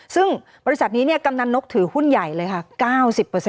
ซึ่งบริษัทนี้กำนันนกถือหุ้นใหญ่เลยค่ะ๙๐